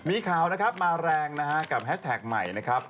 มีข่าวนะครับมาแรงนะฮะกับแฮชแท็กใหม่นะครับ